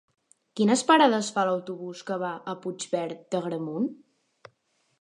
Quines parades fa l'autobús que va a Puigverd d'Agramunt?